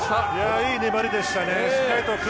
いい粘りでしたね。